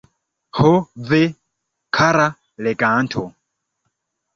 Ho ve, kara leganto!